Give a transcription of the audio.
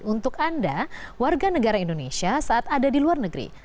untuk anda warga negara indonesia saat ada di luar negeri